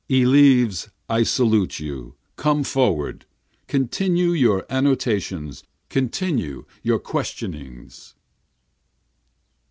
Eleves, I salute you! come forward! Continue your annotations, continue your questionings.